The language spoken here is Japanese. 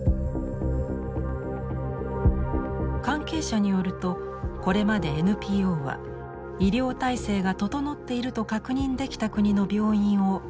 関係者によるとこれまでＮＰＯは医療体制が整っていると確認できた国の病院を案内していたといいます。